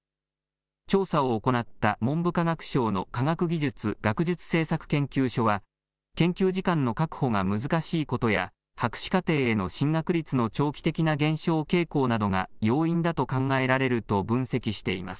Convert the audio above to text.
調査を行った文部科学省の科学技術・学術政策研究所は研究時間の確保が難しいことや博士課程への進学率の長期的な減少傾向などが要因だと考えられると分析しています。